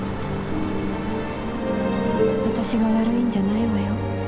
私が悪いんじゃないわよ。